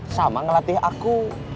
sama ngelatih aku